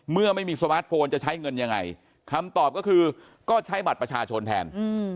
เมื่อไม่มีสมาร์ทโฟนจะใช้เงินยังไงคำตอบก็คือก็ใช้บัตรประชาชนแทน